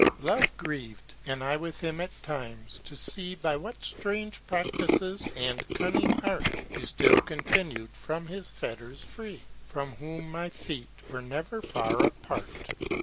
Love grieved, and I with him at times, to see By what strange practices and cunning art, You still continued from his fetters free, From whom my feet were never far apart.